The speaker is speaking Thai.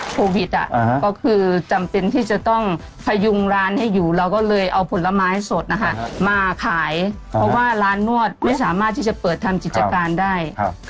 โควิดก็คือจำเป็นที่จะต้องพยุงร้านให้อยู่เราก็เลยเอาผลไม้สดนะคะมาขายเพราะว่าร้านนวดไม่สามารถที่จะเปิดทำกิจการได้